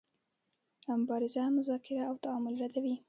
دا مبارزه مذاکره او تعامل ردوي.